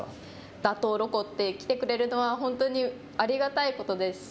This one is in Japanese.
打倒ロコって来てくれるのはありがたいことですし。